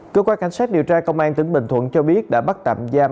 cơ quan cảnh sát điều tra công an tỉnh bình thuận cho biết đã bắt tạm giam